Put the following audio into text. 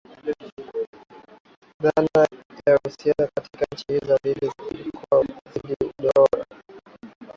Dhana ya uhusiano kati ya nchi hizo mbili ulikuwa ukizidi kudorora